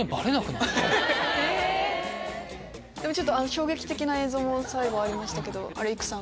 衝撃的な映像も最後ありましたけど育さん。